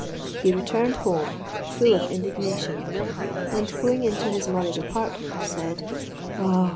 He returned home full of indignation; and going into his mother's apartment, said, "Ah!